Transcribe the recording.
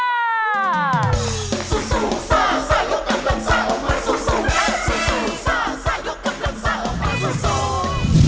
สู้สู้ซ่าซ่ายกกำลังซ่าออกมาสู้สู้